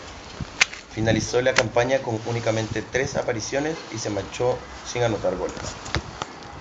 Finalizó la campaña con únicamente tres apariciones y se marchó sin anotar goles.